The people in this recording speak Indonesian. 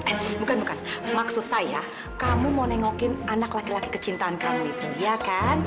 ants bukan bukan maksud saya kamu mau nengokin anak laki laki kecintaan kamu itu iya kan